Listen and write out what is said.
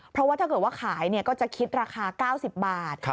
เพราะว่าถ้าเกิดว่าขายก็จะคิดราคา๙๐บาท